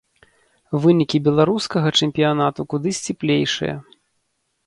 Вынікі беларускага чэмпіянату куды сціплейшыя.